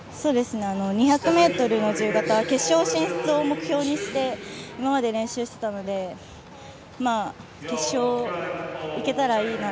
２００ｍの自由形は決勝進出を目標にして今まで練習してきたので決勝に行けたらいいなと。